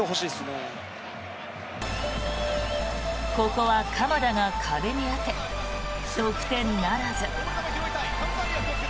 ここは鎌田が壁に当て得点ならず。